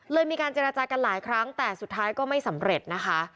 มีการเจรจากันหลายครั้งแต่สุดท้ายก็ไม่สำเร็จนะคะ